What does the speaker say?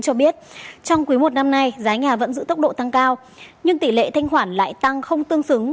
cho biết trong quý một năm nay giá nhà vẫn giữ tốc độ tăng cao nhưng tỷ lệ thanh khoản lại tăng không tương xứng